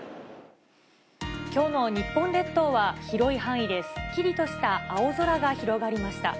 きょうの日本列島は広い範囲ですっきりとした青空が広がりました。